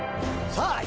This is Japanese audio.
さあ